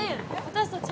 私たち